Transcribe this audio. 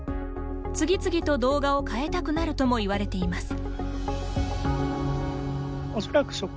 次々と動画を変えたくなるともいわれています。